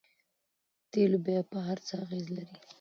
د تیلو بیې په هر څه اغیز لري.